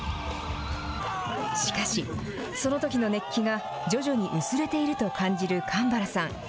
しかし、そのときの熱気が徐々に薄れていると感じる、かんばらさん。